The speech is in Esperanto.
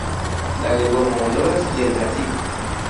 La legomo odoras kiel brasiko.